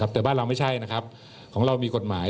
แต่บ้านเราไม่ใช่นะครับของเรามีกฎหมาย